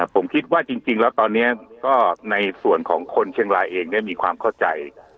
ผมคิดว่าจริงแล้วตอนนี้ก็ในส่วนของคนเชียงรายเองเนี่ยมีความเข้าใจ